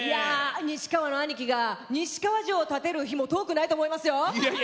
西川の兄貴が西川城を建てる日も遠くないと思いますよ。